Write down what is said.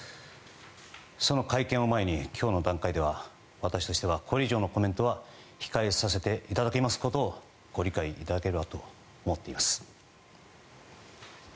その会見を前に今日の段階では私としてはこれ以上のコメントは控えさせていただきますことをご理解いただければと思っております。